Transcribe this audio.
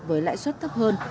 với lãi suất thấp hơn